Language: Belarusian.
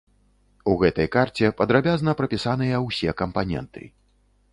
У гэтай карце падрабязна прапісаныя ўсё кампаненты.